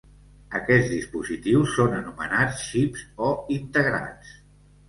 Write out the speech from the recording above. Aquests dispositius són anomenats xips, o integrats.